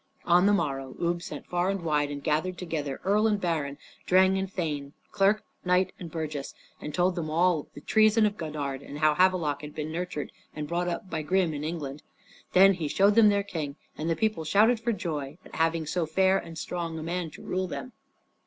On the morrow Ubbe sent far and wide and gathered together earl and baron, dreng [servant] and thane, clerk, knight and burgess, and told them all the treason of Godard, and how Havelok had been nurtured and brought up by Grim in England. Then he showed them their King, and the people shouted for joy at having so fair and strong a man to rule them.